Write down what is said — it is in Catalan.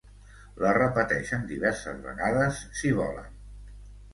La repeteixen diverses vegades, si volen.